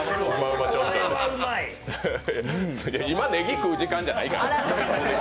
今、ねぎ食う時間じゃないから。